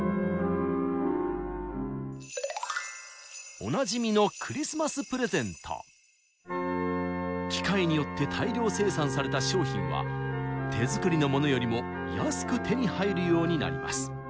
おなじみの機械によって大量生産された商品は手作りのモノよりも安く手に入るようになります。